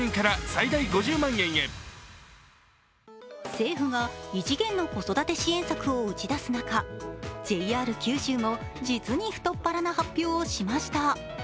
政府が異次元の子育て支援策を打ち出す中ＪＲ九州も実に太っ腹な発表をしました。